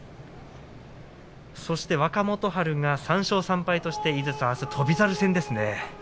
そして、若元春が３勝３敗として井筒さん、あすは翔猿戦ですね。